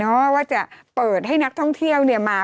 เพราะว่าจริงแล้วเนี่ยเป็นนโยบายว่าอยากจะเปิดให้มาแล้วเนาะ